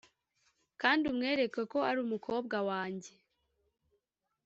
kandi umwereke ko ari umukobwa wanjye